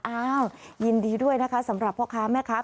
อ้าวยินดีด้วยนะคะสำหรับพ่อค้าแม่ค้า